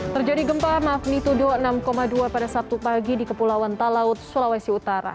terjadi gempa magnitudo enam dua pada sabtu pagi di kepulauan talaut sulawesi utara